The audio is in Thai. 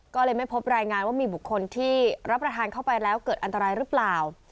ก็เลยไม่พบรายงานว่ามีบุคคลที่รับประทานเข้าไปแล้วเกิดอันตรายหรือเปล่า